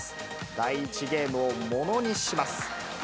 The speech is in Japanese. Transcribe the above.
第１ゲームをものにします。